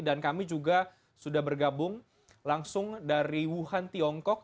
dan kami juga sudah bergabung langsung dari wuhan tiongkok